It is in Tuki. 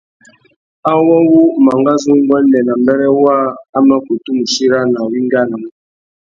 Awô wu mangazu nguêndê nà mbêrê waā a mà kutu mù chirana wá ingānamú.